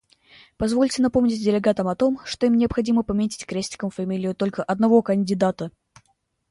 Позвольте напомнить делегатам о том, что им необходимо пометить крестиком фамилию только одного кандидата.